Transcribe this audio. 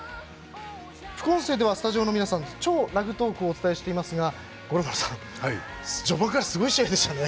副音声ではスタジオの皆さんと「超ラグトーク」をお伝えしていますが五郎丸さん、序盤からすごい試合でしたね。